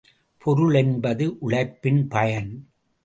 பொருள் என்பது உழைப்பின் பயன்.